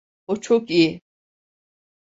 O çok iyi.